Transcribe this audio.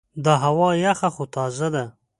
دا هوا یخه خو تازه ده.